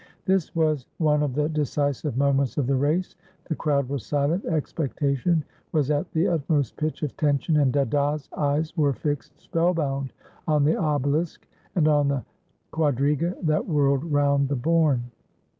This was one of the decisive moments of the race. The crowd was silent; expectation was at the utmost pitch of tension, and Dada's eyes were fixed spellbound on the obelisk and on the quadriga that whirled round the bourn.